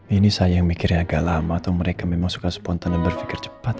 ini saya yang mikirnya agak lama atau mereka memang suka spontan dan berpikir cepat